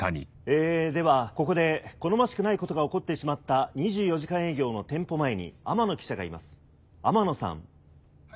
ではここで好ましくないことが起こってしまった２４時間営業の店舗前に天野記者がいます天野さん。